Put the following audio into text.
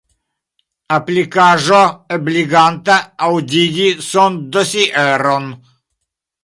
Aplikaĵo ebliganta aŭdigi sondosieron.